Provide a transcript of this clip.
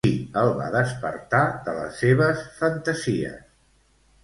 Qui el va despertar de les seves fantasies?